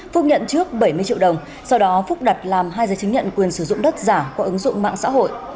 phúc nhận trước bảy mươi triệu đồng sau đó phúc đặt làm hai giấy chứng nhận quyền sử dụng đất giả qua ứng dụng mạng xã hội